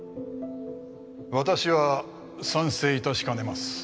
私は賛成いたしかねます